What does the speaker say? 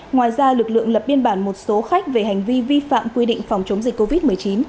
ngoài ra lực lượng lập biên bản một số khách về hành vi vi phạm quy định phòng chống dịch covid một mươi chín